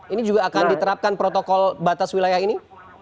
ini juga akan diterapkan protokol batas wilayah ini